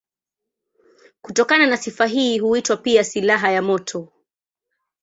Kutokana na sifa hii huitwa pia silaha ya moto.